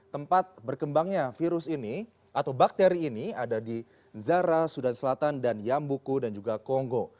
tempat berkembangnya virus ini atau bakteri ini ada di zara sudan selatan dan yambuku dan juga kongo